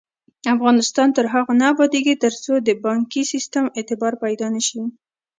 افغانستان تر هغو نه ابادیږي، ترڅو د بانکي سیستم اعتبار پیدا نشي.